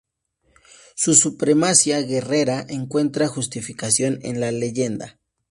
Su supremacía guerrera encuentra justificación en la leyenda.